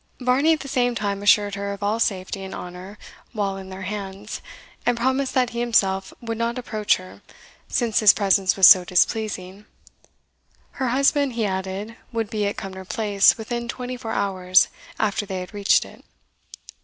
Varney at the same time assured her of all safety and honour while in their hands, and promised that he himself would not approach her, since his presence was so displeasing. Her husband, he added, would be at Cumnor Place within twenty four hours after they had reached it.